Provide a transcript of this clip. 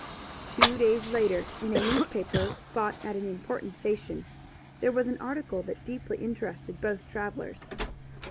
Two days later, in a newspaper bought at an important station, there was an article that deeply interested both travelers.